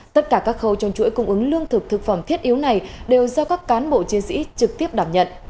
tất cả các khâu trong chuỗi cung ứng lương thực thực phẩm thiết yếu này đều do các cán bộ chiến sĩ trực tiếp đảm nhận